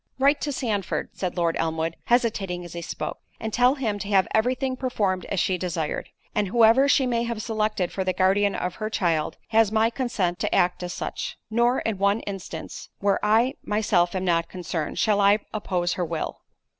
"Write to Sandford," said Lord Elmwood, hesitating as he spoke, "and tell him to have every thing performed as she desired. And whoever she may have selected for the guardian of her child, has my consent to act as such.—Nor in one instance, where I myself am not concerned, shall I oppose her will."